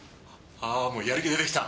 あーもうやる気出てきた。